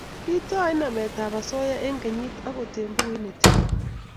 Kitaoi namet ab asoya eng' kenye angot eng bukuit ne tilil